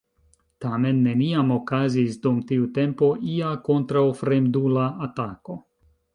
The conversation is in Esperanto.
Tamen neniam okazis dum tiu tempo ia kontraŭfremdula atako.